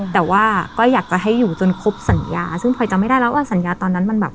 แต่ว่าก็อยากจะให้อยู่จนครบสัญญาซึ่งพลอยจำไม่ได้แล้วว่าสัญญาตอนนั้นมันแบบ